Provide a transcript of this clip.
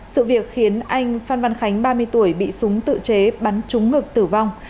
sự việc khiến anh phan văn khánh ba mươi tuổi bị súng tự chế bắn trúng ngực tử vong